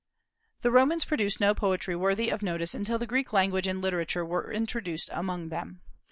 The Romans produced no poetry worthy of notice until the Greek language and literature were introduced among them.